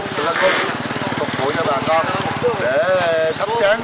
pleiku phục vụ cho bà con để thấp tráng